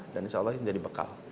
dan insya allah ini menjadi bekal